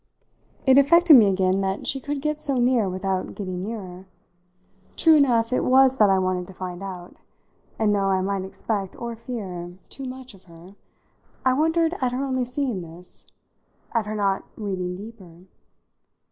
It affected me again that she could get so near without getting nearer. True enough it was that I wanted to find out; and though I might expect, or fear, too much of her, I wondered at her only seeing this at her not reading deeper.